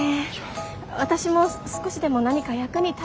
私も少しでも何か役に立てたらなと思って。